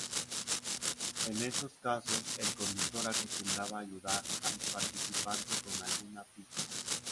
En esos casos, el conductor acostumbraba a ayudar al participante con alguna pista.